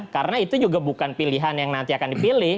karena itu juga bukan pilihan yang nanti akan dipilih